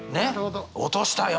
「落としたよ」。